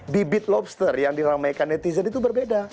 bibit lobster yang diramaikan netizen itu berbeda